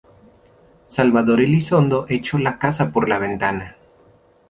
Salvador Elizondo echó la casa por la ventana.